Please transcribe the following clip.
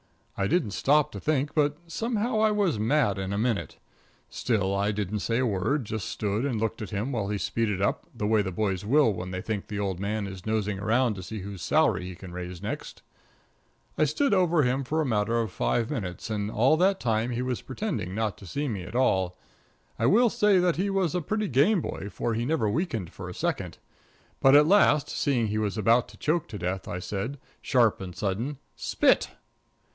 I didn't stop to think, but somehow I was mad in a minute. Still, I didn't say a word just stood and looked at him while he speeded up the way the boys will when they think the old man is nosing around to see whose salary he can raise next. I stood over him for a matter of five minutes, and all the time he was pretending not to see me at all. I will say that he was a pretty game boy, for he never weakened for a second. But at last, seeing he was about to choke to death, I said, sharp and sudden "Spit."